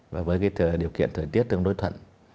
và với điều kiện thời tiết tương đối thuận